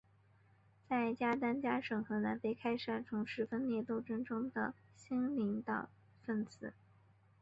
在加丹加省和南非开赛从事分裂斗争中的新的领导班子。